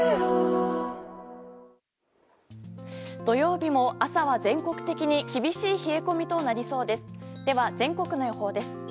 土曜日も、朝は全国的に厳しい冷え込みとなりそうです。